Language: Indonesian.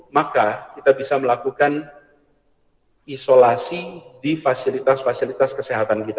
maka kita bisa melakukan isolasi di fasilitas fasilitas kesehatan kita